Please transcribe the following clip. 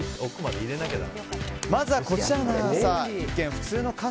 まずは、こちらの長傘。